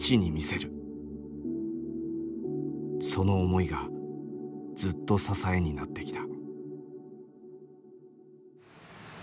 その思いがずっと支えになってきた。